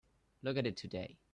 Look at it today.